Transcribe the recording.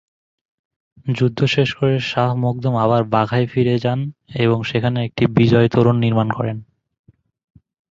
যুদ্ধ শেষ করে শাহ মখদুম আবার বাঘায় ফিরে যান এবং সেখানে একটি বিজয় তোরণ নির্মাণ করেন।